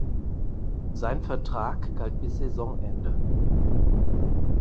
Sein Vertrag galt bis Saisonende.